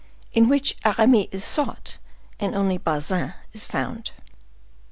In which Aramis is sought, and only Bazin is found.